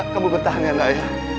kamu bertahan ya naya